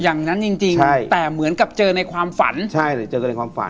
อย่างนั้นจริงจริงใช่แต่เหมือนกับเจอในความฝันใช่เลยเจอกันในความฝัน